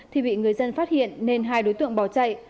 thì bị người dân phát hiện nên hai đối tượng bỏ chạy